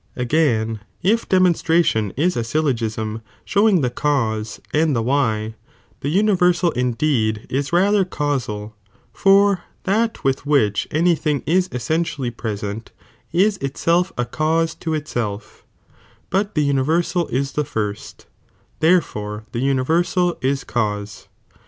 Again, if demonstration is a syllogism, showing ,^,, j the cause and the why, the universal indeed is niciDc <• cd^i rather causal, for that with which any tiling is ^Ti,a^V' easentially present, is itself a cause to itself," but ">o" "2^V the universal is the first, f therefore the universal s ', Eth, ri. ». ia cause.